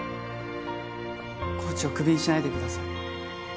コーチをクビにしないでください。